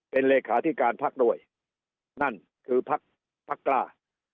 เป็นเลขาธิการพักด้วยนั่นคือพักพักกล้า